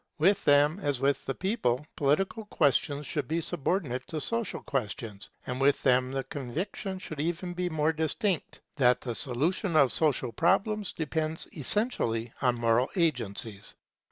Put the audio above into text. With them, as with the people, political questions should be subordinate to social questions; and with them the conviction should be even more distinct, that the solution of social problems depends essentially on moral agencies.